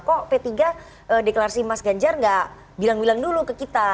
kok p tiga deklarasi mas ganjar gak bilang bilang dulu ke kita